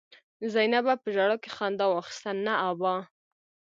زينبه په ژړا کې خندا واخيسته: نه ابا!